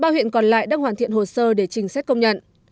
ba huyện còn lại đang hoàn thiện hồ sơ để trình xét công nhận